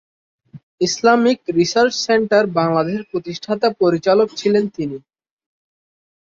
Islamic Research Centre বাংলাদেশের প্রতিষ্ঠাতা পরিচালক ছিলেন তিনি।